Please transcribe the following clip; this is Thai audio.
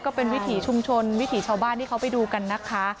วิถีชุมชนวิถีชาวบ้านที่เขาไปดูกันนะคะ